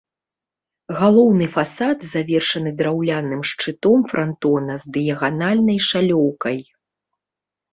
Галоўны фасад завершаны драўляным шчытом франтона з дыяганальнай шалёўкай.